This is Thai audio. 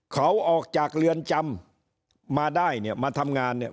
เขาออกจากเรือนจำมาได้เนี่ยมาทำงานเนี่ย